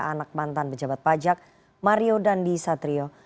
anak mantan pejabat pajak mario dandi satrio